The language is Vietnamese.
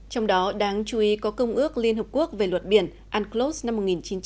trong đó đáng chú ý có công ước liên hợp quốc về luật biển unclos năm một nghìn chín trăm tám mươi hai